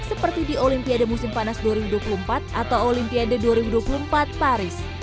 seperti di olimpiade musim panas dua ribu dua puluh empat atau olimpiade dua ribu dua puluh empat paris